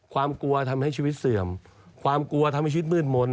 ความกลัวทำให้ชีวิตเสื่อมความกลัวทำให้ชีวิตมืดมนต์